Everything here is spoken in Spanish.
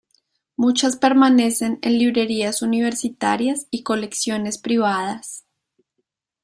Muchas permanecen en librerías universitarias y colecciones privadas.